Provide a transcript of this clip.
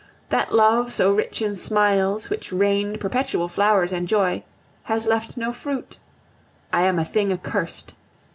That love so rich in smiles, which rained perpetual flowers and joy, has left no fruit. I am a thing accursed.